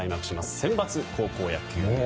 センバツ高校野球。